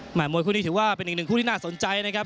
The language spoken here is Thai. มวยคู่นี้ถือว่าเป็นอีกหนึ่งคู่ที่น่าสนใจนะครับ